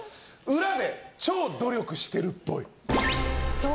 裏で超努力してるっぽい。